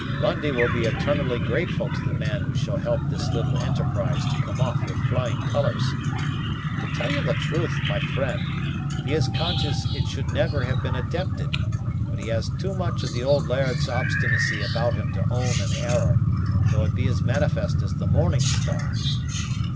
Lundie will be eternally grateful to the man who shall help this little enterprise to come off with flying colors. To tell you the truth, my friend, he is conscious it should never have been attempted; but he has too much of the old laird's obstinacy about him to own an error, though it be as manifest as the morning star."